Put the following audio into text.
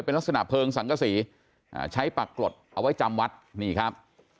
เป็นลักษณะเพลิงสังกษีใช้ปากกรดเอาไว้จำวัดนี่ครับ